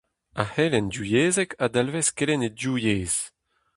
Ar c'helenn divyezhek a dalvez kelenn e div yezh.